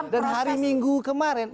dan hari minggu kemarin